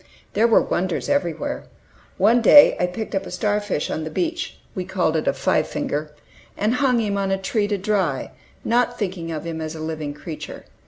There were wonders everywhere. One day I picked up a star fish on the beach (we called it a "five finger"), and hung him on a tree to dry, not thinking of him as a living creature.